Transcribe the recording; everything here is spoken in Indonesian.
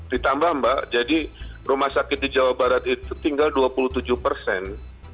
ditambah mbak jadi rumah sakit di jawa barat itu tinggal dua puluh tujuh persen